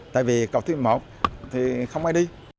tại vì cầu thủ thiêm một thì không ai đi